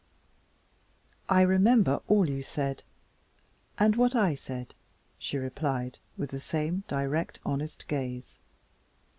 "I remember all you said and what I said," she replied, with the same direct, honest gaze.